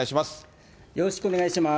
よろしくお願いします。